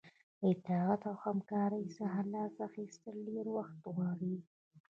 له اطاعت او همکارۍ څخه لاس اخیستل ډیر وخت غواړي.